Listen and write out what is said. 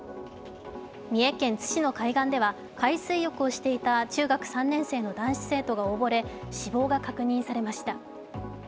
三重県津市の海岸では海水浴をしていた中学３年の男子生徒が溺れ死亡が確認されました。